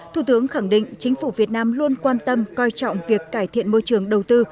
thủ tướng khẳng định chính phủ việt nam luôn quan tâm coi trọng việc cải thiện môi trường đầu tư